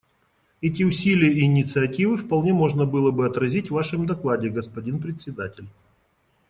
Эти усилия и инициативы вполне можно было бы отразить в Вашем докладе, господин Председатель.